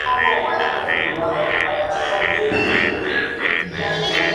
Están compuestas de cristales de hielo.